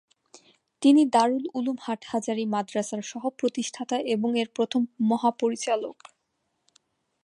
তিনি দারুল উলুম হাটহাজারী মাদ্রাসার সহপ্রতিষ্ঠাতা এবং এর প্রথম মহাপরিচালক।